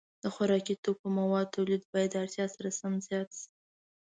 د خوراکي موادو تولید باید د اړتیا سره سم زیات شي.